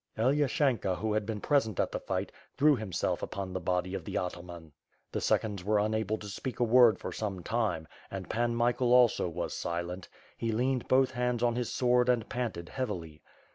Elyashenka who had been present at the fight, threw him self upon the body of the ataman. The seconds were unable to speak a word for some time, and Pan Michael also was silent' he leaned both hands on his sword and panted heavily.